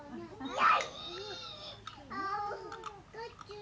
や！